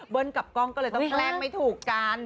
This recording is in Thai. กับกล้องก็เลยต้องแกล้งไม่ถูกกัน